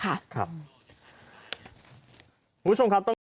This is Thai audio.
ครับ